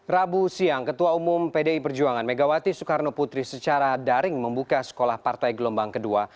rabu siang ketua umum pdi perjuangan megawati soekarno putri secara daring membuka sekolah partai gelombang kedua